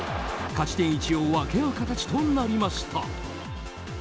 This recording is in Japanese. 勝ち点１を分け合う形となりました。